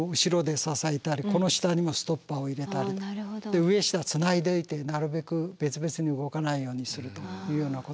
で上下つないでおいてなるべく別々に動かないようにするというようなことと。